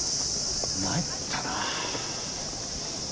参ったな。